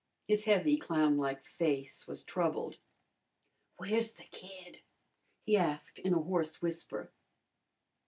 His heavy, clownlike face was troubled. "Where's the kid?" he asked in a hoarse whisper.